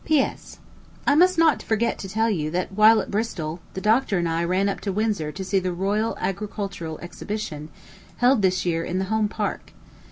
P.S. I must not forget to tell you that, while at Bristol, the doctor and I ran up to Windsor to see the royal agricultural exhibition, held this year in the Home Park.